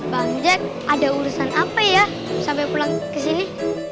bang jek ada urusan apa ya sampai pulang kesini